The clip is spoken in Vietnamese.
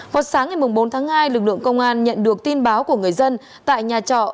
vào sáng ngày bốn tháng hai lực lượng công an nhận được tin báo của người dân tại nhà trọ